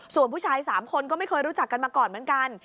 ส่วนผู้ชาย๓คนก็ไม่เคยรู้จักกันมาก่อนเหมือนกัน